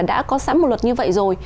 đã có sẵn một luật như vậy rồi